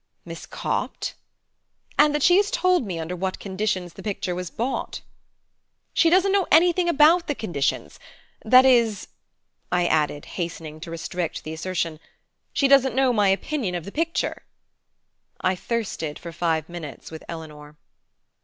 "Miss Copt?" "And that she has told me under what conditions the picture was bought." "She doesn't know anything about the conditions! That is," I added, hastening to restrict the assertion, "she doesn't know my opinion of the picture." I thirsted for five minutes with Eleanor.